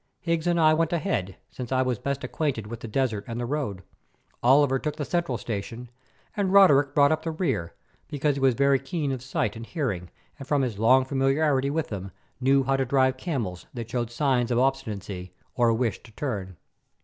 Higgs and I went ahead, since I was best acquainted with the desert and the road, Oliver took the central station, and Roderick brought up the rear, because he was very keen of sight and hearing and from his long familiarity with them, knew how to drive camels that showed signs of obstinacy or a wish to turn.